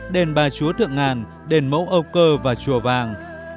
đền bà chúa thượng ngàn đền mẫu âu cơ và chùa vàng